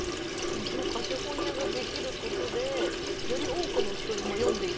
でもその貸本屋ができることでより多くの人に読んで頂く。